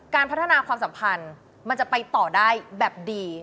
การพัฒนาความสัมพันธ์มันจะไปต่อได้แบบดี